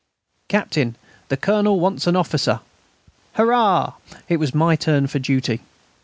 "Captain, the Colonel wants an officer." "Hurrah!" It was my turn for duty....